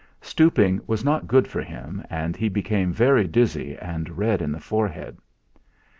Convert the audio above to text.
Stooping was not good for him, and he became very dizzy and red in the forehead.